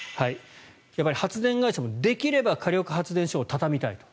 発電会社もできれば火力発電所を畳みたいと。